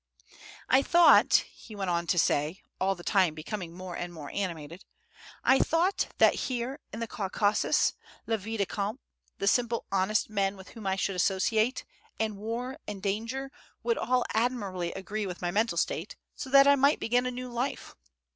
"I thought," he went on to say, all the time becoming more and more animated, "I thought that here in the Caucasus, la vie de camp, the simple, honest men with whom I should associate, and war and danger, would all admirably agree with my mental state, so that I might begin a new life.